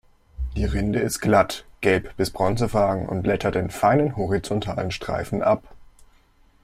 Die Rinde ist glatt, gelb bis bronzefarben, und blättert in feinen horizontalen Streifen ab.